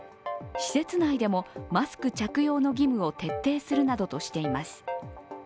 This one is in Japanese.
施設内でもマスク着用の義務を徹底するなどとしています。